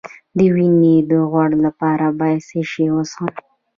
د وینې د غوړ لپاره باید څه شی وڅښم؟